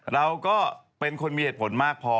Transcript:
เราก็เป็นคนมีเหตุผลมากพอ